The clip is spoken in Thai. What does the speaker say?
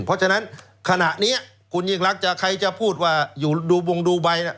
เพราะฉะนั้นขณะนี้คุณยิ่งรักใครจะพูดว่าอยู่ดูวงดูไบน่ะ